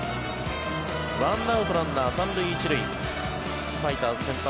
１アウト、ランナー３塁１塁ファイターズ先発